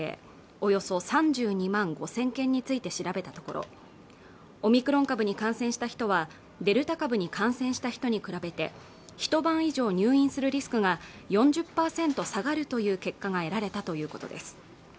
およそ３２万５０００件について調べたところオミクロン株に感染した人はデルタ株に感染した人に比べて一晩以上入院するリスクが４０％下がるという結果が得られたということです